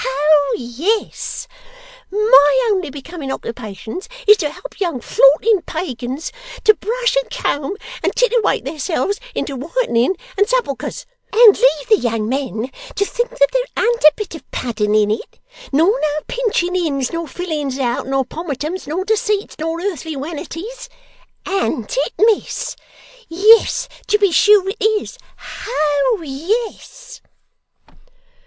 Ho yes! My only becoming occupations is to help young flaunting pagins to brush and comb and titiwate theirselves into whitening and suppulchres, and leave the young men to think that there an't a bit of padding in it nor no pinching ins nor fillings out nor pomatums nor deceits nor earthly wanities an't it, miss! Yes, to be sure it is ho yes!